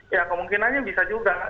ya kemungkinannya bisa juga